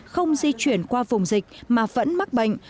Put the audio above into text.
không di chuyển qua vùng dịch mà vẫn mắc bệnh